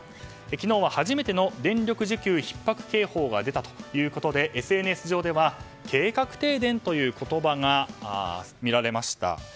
昨日は初めての電力需給ひっ迫警報が出たということでＳＮＳ上では計画停電という言葉がみられました。